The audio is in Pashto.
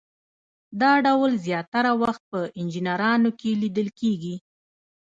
دا ډول زیاتره وخت په انجینرانو کې لیدل کیږي.